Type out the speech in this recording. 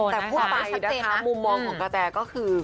แต่พูดไปนะคะมุมมองของกระแตก็คือ